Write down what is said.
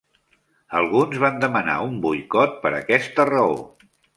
Alguns van demanar un boicot per aquesta raó.